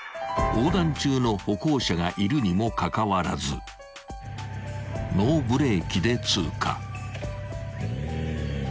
［横断中の歩行者がいるにもかかわらずノーブレーキで通過］